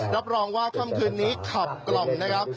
รับรองว่าค่ำคืนนี้ขับกล่อมนะครับ